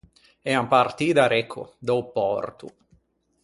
Ean partii da Recco, da-o Pòrto.